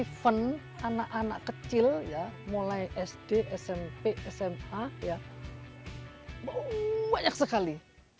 event anak anak kecil ya mulai sd smp sma ya banyak sekali